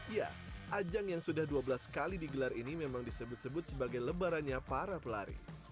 ya ajang yang sudah dua belas kali digelar ini memang disebut sebut sebagai lebarannya para pelari